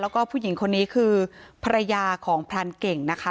แล้วก็ผู้หญิงคนนี้คือภรรยาของพรานเก่งนะคะ